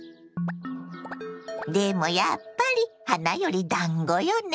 でもやっぱり花よりだんごよね。